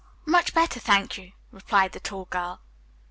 "Much better, thank you," replied the tall girl.